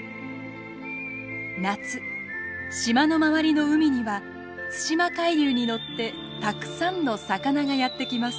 夏島の周りの海には対馬海流に乗ってたくさんの魚がやってきます。